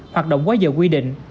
hoạt động quá giờ quy định